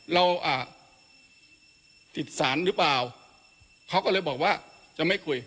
เราอ่ะติดสารหรือเปล่าเขาก็เลยบอกว่าจะไม่คุย